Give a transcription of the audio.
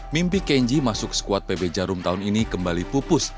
mimpi kenji masuk skuad pb jarum tahun ini kembali pupus